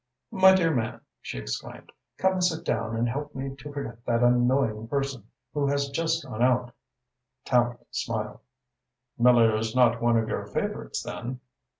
"My dear man," she exclaimed, "come and sit down and help me to forget that annoying person who has just gone out!" Tallente smiled. "Miller is not one of your favorites, then?"